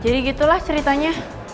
jadi gitulah ceritanya